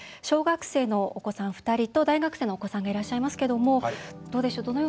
小学生のお子さん２人と大学生のお子さんがいらっしゃいますけどもどうでしょう